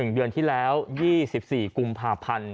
เดือนที่แล้ว๒๔กุมภาพันธ์